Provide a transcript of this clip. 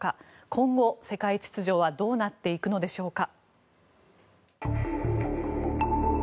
今後、世界秩序はどうなっていくのでしょうか。